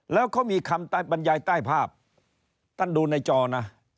แล้วเขามีคำบรรยายใต้ภาพตั้งดูในจอน่ะ